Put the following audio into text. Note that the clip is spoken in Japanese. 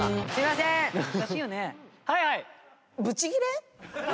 はいはい。